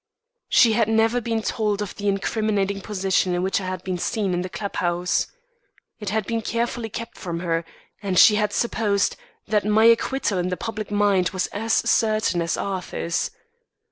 She had never been told of the incriminating position in which I had been seen in the club house. It had been carefully kept from her, and she had supposed that my acquittal in the public mind was as certain as Arthur's.